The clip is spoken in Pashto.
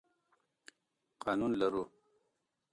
قانون لرو.